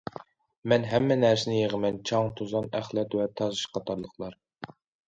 مەن ھەممە نەرسىنى يىغىمەن، چاڭ- توزان، ئەخلەت ۋە تاش قاتارلىقلار.